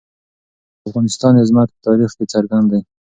د افغانستان عظمت په تاریخ کې څرګند دی.